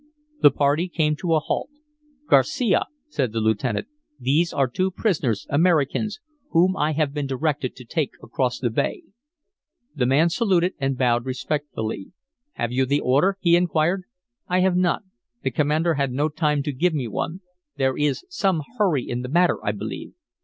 The party came to a halt. "Garcia," said the lieutenant, "these are two prisoners, Americans, whom I have been directed to take across the bay." The man saluted and bowed respectfully. "Have you the order?" he inquired. "I have not. The commander had no time to give one to me. There is some hurry in the matter, I believe."